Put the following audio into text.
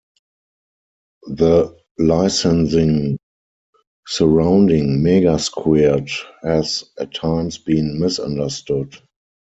The licensing surrounding Megasquirt has at times been misunderstood.